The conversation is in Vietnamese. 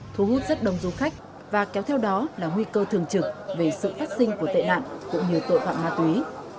thu hút rất đông du khách và kéo theo đó là nguy cơ thường trực về sự phát sinh của tệ nạn cũng như tội phạm ma túy